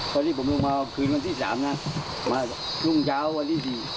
พอที่ผมลงมาคืนวันที่สามนะมาจุงเช้าวันที่สี่